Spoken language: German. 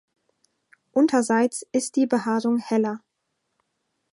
Unterseits ist die Behaarung heller.